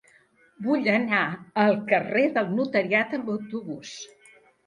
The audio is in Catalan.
Vull anar al carrer del Notariat amb autobús.